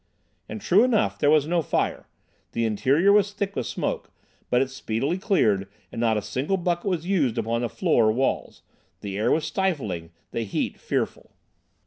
And, true enough, there was no fire. The interior was thick with smoke, but it speedily cleared and not a single bucket was used upon the floor or walls. The air was stifling, the heat fearful.